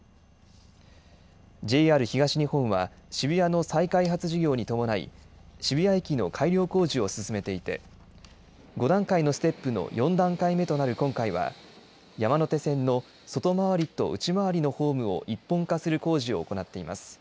ＪＲ東日本は、渋谷の再開発事業に伴い、渋谷駅の改良工事を進めていて、５段階のステップの４段階目となる今回は、山手線の外回りと内回りのホームを一本化する工事を行っています。